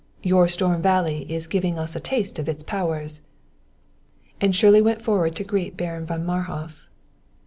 Your Storm Valley is giving us a taste of its powers." And Shirley went forward to greet Baron von Marhof.